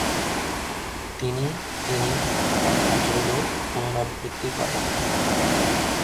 তিনি তিনি তার কাজ গুলো পুনরাবিত্তি করেন।